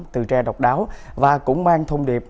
từ tre độc đáo và cũng mang thông điệp